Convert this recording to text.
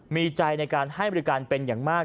มีใจในการให้บริการเป็นอย่างมาก